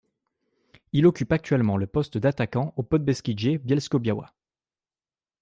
Il occupe actuellement le poste d'attaquant au Podbeskidzie Bielsko-Biała.